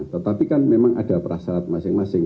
tetapi kan memang ada perasarat masing masing